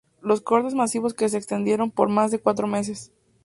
Los cortes masivos, que se extendieron por más de cuatro meses.